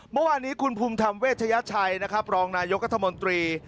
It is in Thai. เมื่อวานี้คุณภูมิธรรมเวชยชัยรองนายกระธมนตรี